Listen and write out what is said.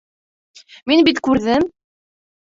Мин бит күрҙем!